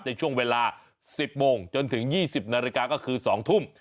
ในช่วงเวลา๑๐โมงจนถึง๒๐นาฬิกาก็คือ๒ทุ่ม